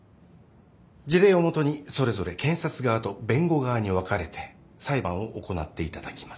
事例をもとにそれぞれ検察側と弁護側に分かれて裁判を行っていただきます。